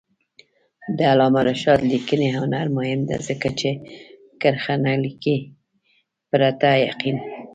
د علامه رشاد لیکنی هنر مهم دی ځکه چې کرښه نه لیکي پرته یقین.